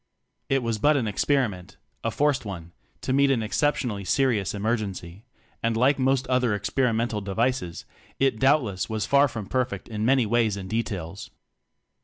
It was but an experiment a forced one to meet an exceptionally serious emergency; and like most other ex perimental devices, it doubtless was far from perfect in many ways and details.